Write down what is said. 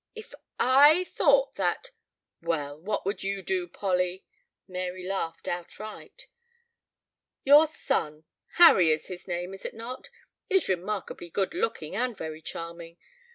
"If I thought that " "Well, what would you do, Polly?" Mary laughed outright. "Your son Harry is his name, is it not? is remarkably good looking and very charming.